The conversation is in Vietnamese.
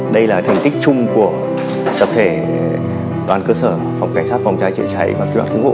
đây là thành tích chung của tập thể đoàn cơ sở phòng cảnh sát phòng cháy chữa cháy và cứu đoạn cứu hộ